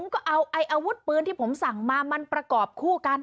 ก็เอาอาวุธปืนที่ผมสั่งมามันประกอบคู่กัน